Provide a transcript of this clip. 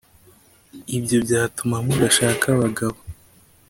Ibyo byatuma mudashaka abagabo